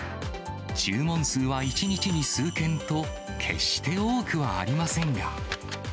注文数は１日に数件と、決して多くはありませんが。